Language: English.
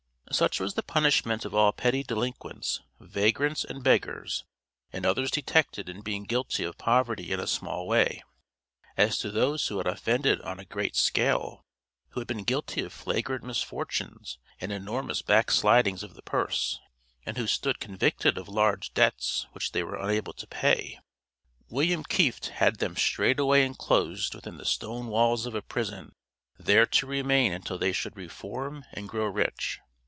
Such was the punishment of all petty delinquents, vagrants, and beggars and others detected in being guilty of poverty in a small way. As to those who had offended on a great scale, who had been guilty of flagrant misfortunes and enormous backslidings of the purse, and who stood convicted of large debts which they were unable to pay, William Kieft had them straightway enclosed within the stone walls of a prison, there to remain until they should reform and grow rich.